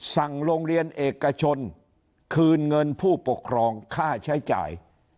สั่งโรงเรียนเอกชนคืนเงินผู้ปกครองค่าใช้จ่าย